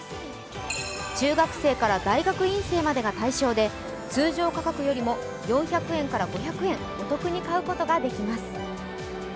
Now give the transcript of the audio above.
中学生から大学院生までが対象で通常価格よりも４００円から５００円お得に買うことができます。